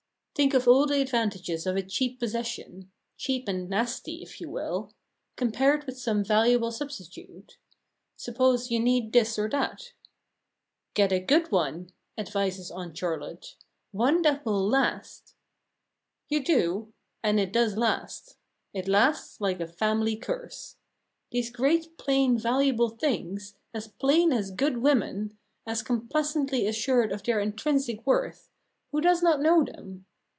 Think of all the advantages of a cheap possession cheap and nasty, if you will compared with some valuable substitute. Suppose you need this or that. "Get a good one," advises Aunt Charlotte; "one that will last." You do and it does last. It lasts like a family curse. These great plain valuable things, as plain as good women, as complacently assured of their intrinsic worth who does not know them?